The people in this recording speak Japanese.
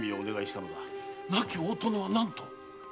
亡き大殿は何と？